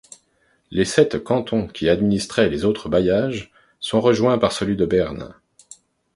Les sept cantons qui administraient les autres bailliages sont rejoints par celui de Berne.